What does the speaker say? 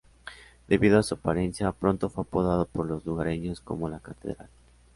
Debido a su apariencia, pronto fue apodado por los lugareños como "la Catedral".